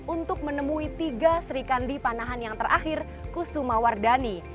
untuk menemui tiga serikandi panahan yang terakhir kusuma wardani